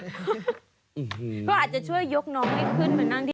เพราะอาจจะช่วยยกน้องนี้ขึ้นเหมือนนั่งที่